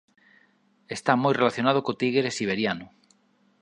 Está moi relacionado co tigre siberiano.